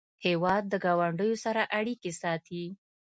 هېواد د ګاونډیو سره اړیکې ساتي.